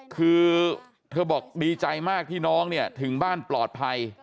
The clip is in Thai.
คือเธอบอกดีใจมากที่น้องเนี่ยถึงบ้านปลอดภัย